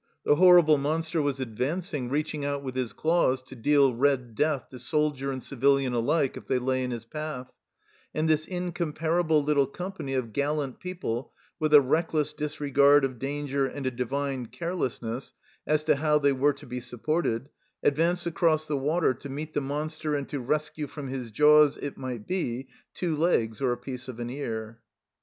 The horrible monster was advanc ing, reaching out with his claws to deal red death to soldier and civilian alike if they lay in his path ; and this incomparable little company of gallant people, with a reckless disregard of danger and a divine carelessness as to how they were to be supported, advanced across the water to meet the monster and to rescue from his jaws, it might be, " two legs or a piece of an ear."